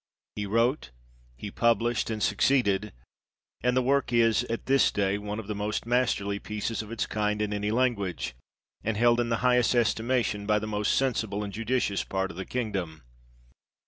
He wrote, he published, and succeeded, and the work is at this day one of the most masterly pieces of its kind in any language, and held in the highest estimation by the most sensible and judicious part of the kingdom.